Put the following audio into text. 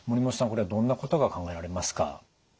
これはどんなことが考えられますか？